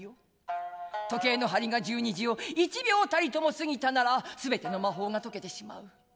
時計の針が十二時を一秒たりともすぎたならすべての魔法がとけてしまう。